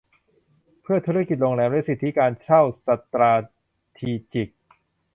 เพื่อธุรกิจโรงแรมและสิทธิการเช่าสตราทีจิก